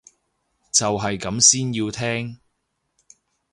就係咁先要聽